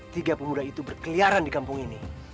siapa itu berkeliaran di kampung ini